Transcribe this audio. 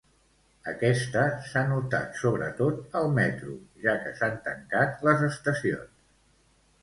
Aquesta s'ha notat, sobretot, al metro, ja que s'han tancat les estacions.